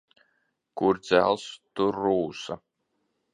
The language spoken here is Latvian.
Kur dzelzs, tur rūsa.